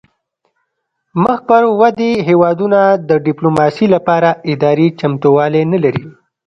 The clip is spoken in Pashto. مخ پر ودې هیوادونه د ډیپلوماسي لپاره اداري چمتووالی نلري